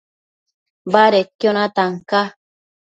Badedquio natan ca